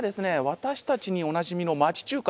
私たちにおなじみの町中華。